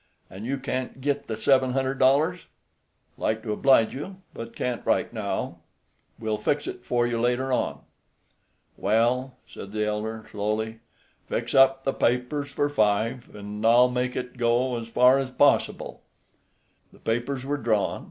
An' you can't git the sev'n hundr'd dollars?" "Like to oblige you, but can't right now; will fix it for you later on." "Well," said the elder, slowly, "fix up the papers for five, an' I'll make it go as far as possible." The papers were drawn.